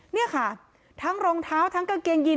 นี่ค่ะทั้งรองเท้าทั้งกางเกงยีน